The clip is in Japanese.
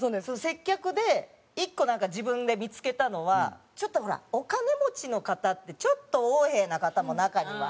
接客で１個なんか自分で見付けたのはちょっとほらお金持ちの方ってちょっと横柄な方も中には。